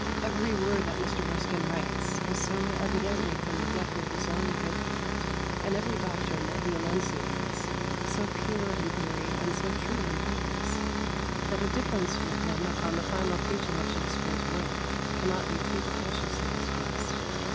Every word that Mr. Ruskin writes is so evidently from the depth of his own good heart, and every doctrine that he enunciates so pure in theory and so true in practice, that a difference with him upon the final teaching of Shakspere's work cannot be too cautiously expressed.